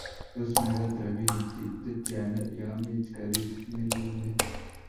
tos mekat robinik che tyana yaameche karit ne lele?